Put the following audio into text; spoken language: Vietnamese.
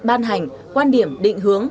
ban hành quan điểm định hướng